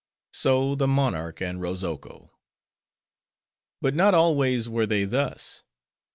So, the monarch and Rozoko. But not always were they thus.